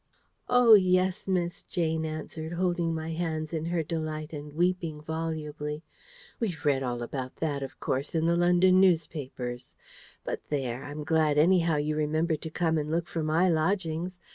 "Oh! yes, miss," Jane answered, holding my hands in her delight and weeping volubly. "We've read about all that, of course, in the London newspapers. But there, I'm glad anyhow you remembered to come and look for my lodgings.